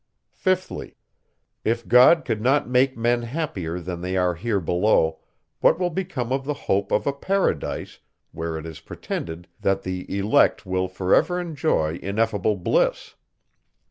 5thly. If God could not make men happier than they are here below, what will become of the hope of a paradise, where it is pretended, that the elect will for ever enjoy ineffable bliss?